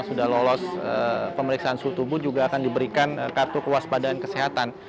sudah lolos pemeriksaan suhu tubuh juga akan diberikan kartu kewaspadaan kesehatan